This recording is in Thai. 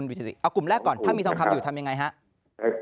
ดูสิเอากลุ่มแรกก่อนถ้ามีทองคำอยู่ทำยังไงครับ